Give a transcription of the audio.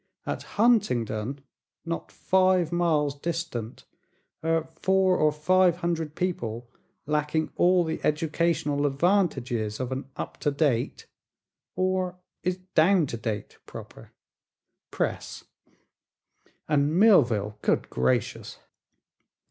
At Huntingdon, not five miles distant, are four or five hundred people lacking all the educational advantages of an up to date or is 'down to date' proper? press. And Millville good gracious!